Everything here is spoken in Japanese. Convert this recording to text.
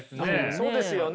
そうですよね。